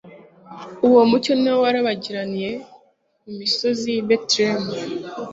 Uwo mucyo niwo warabagiraniye mu misozi y'i Betelehemu;